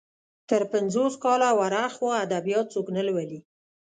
تر پنځوس کاله ور اخوا ادبيات څوک نه لولي.